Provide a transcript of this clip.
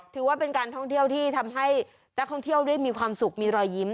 ถือว่าเป็นการท่องเที่ยวที่ทำให้นักท่องเที่ยวได้มีความสุขมีรอยยิ้ม